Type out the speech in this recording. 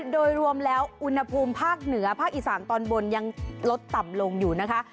โดยรวมแล้วอุณหภูมิภาคเหนือภาคอีสานตอนบนยังลดต่ำลงอยู่นะคะ